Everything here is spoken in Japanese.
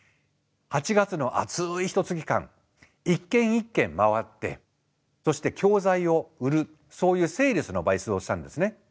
８月の暑いひとつき間一軒一軒回ってそして教材を売るそういうセールスのバイトをしたんですね。